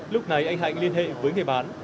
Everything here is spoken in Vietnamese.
lúc này anh hạnh liên hệ với người bán